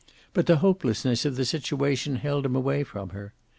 But the hopelessness of the situation held him away from her.